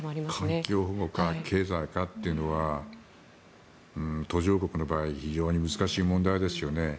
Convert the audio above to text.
環境保護か経済かというのは途上国の場合非常に難しい問題ですよね。